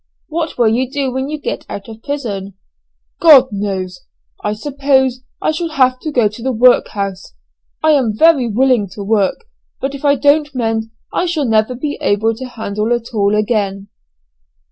"What will you do when you get out of prison?" "God knows! I suppose I shall have to go to the workhouse. I am very willing to work, but if I don't mend I shall never be able to handle a tool again."